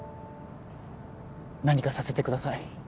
何かさせてください